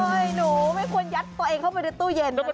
หนูไม่ควรยัดตัวเองเข้าไปในตู้เย็นนะลูกนั้น